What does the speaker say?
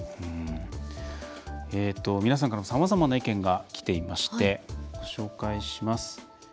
皆さんからもさまざまな意見がきていましてご紹介します。